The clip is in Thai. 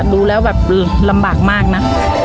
ดูแล้วแบบลำบากมากนะ